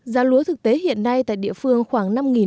giá lúa thực tế hiện nay tại địa phương khoảng năm đồng